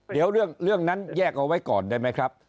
เดี๋ยวเรื่องนั้นแยกเอาไว้ก่อนได้ไหมครับ